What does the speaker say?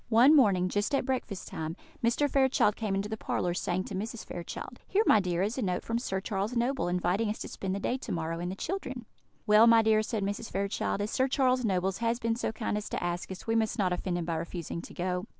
One morning, just at breakfast time, Mr. Fairchild came into the parlour, saying to Mrs. Fairchild: "Here, my dear, is a note from Sir Charles Noble, inviting us to spend the day to morrow, and the children." "Well, my dear," said Mrs. Fairchild, "as Sir Charles Noble has been so kind as to ask us, we must not offend him by refusing to go."